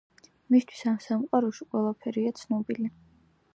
მისთვის ამ სამყაროში ყველაფერია ცნობილი.